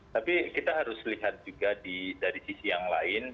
tapi kita harus lihat juga dari sisi yang lain